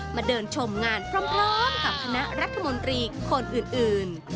มาเดินชมงานพร้อมกับคณะรัฐมนตรีคนอื่น